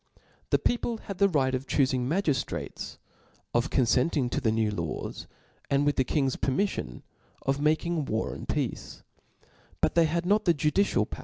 The people had the right of dmfittg j: magif frates, of confcntihg to the new hrws, and, wich die king's ptsrtxiiffion, of making war and peace : but they had nor the jndScial power.